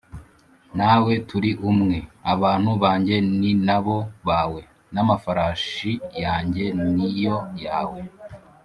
nawe turi umwe Abantu banjye ni na bo bawe n’Amafarashi yanjye ni yo yawe